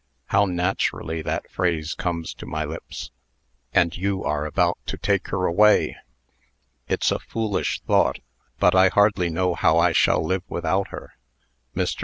How naturally that phrase comes to my lips. And you are about to take her away. It's a foolish thought, but I hardly know how I shall live without her." Mr.